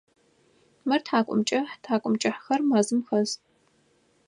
Мыр тхьакӏумкӏыхь, тхьакӏумкӏыхьэр мэзым хэс.